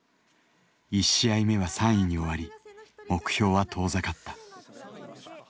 １試合目は３位に終わり目標は遠ざかった。